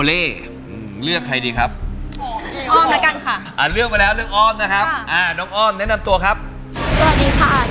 แต่เลือกพี่ทั้งพี่บอกให้ได้